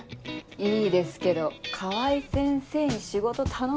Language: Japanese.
いいですけど川合先生に仕事頼む